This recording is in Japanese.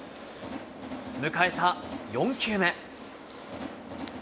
迎えた４球目。